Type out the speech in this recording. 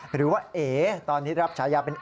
หรือว่าเอ๋ตอนนี้รับฉายาเป็น